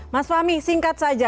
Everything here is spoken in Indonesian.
mas fahmi singkat saja